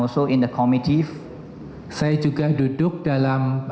saya juga duduk dalam